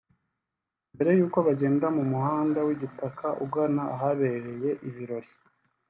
mbere yuko bagenda mu muhanda w’igitaka ugana ahabera ibirori